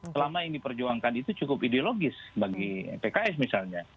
selama yang diperjuangkan itu cukup ideologis bagi pks misalnya